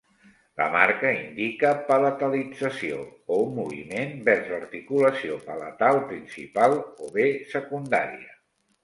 La marca indica palatalització, o un moviment vers l'articulació palatal principal o bé secundària.